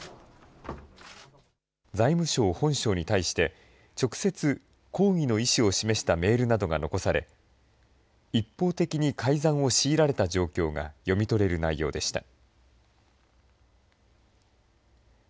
財務省本省に対して、直接、抗議の意志を示したメールなどが残され、一方的に改ざんを強いられた状況が読み取れる内容でした。